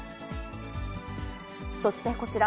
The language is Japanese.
そしてこちら。